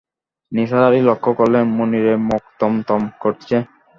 নিসার আলি লক্ষ করলেন, মুনিরের মুখ থমথম করছে।